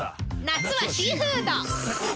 夏はシーフードうふふ！